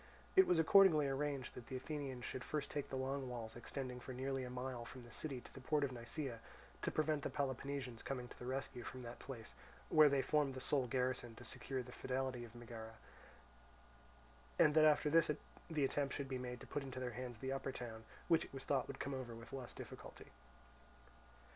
It was accordingly arranged that the Athenians should first take the long walls extending for nearly a mile from the city to the port of Nisaea, to prevent the Peloponnesians coming to the rescue from that place, where they formed the sole garrison to secure the fidelity of Megara; and that after this the attempt should be made to put into their hands the upper town, which it was thought would then come over with less difficulty.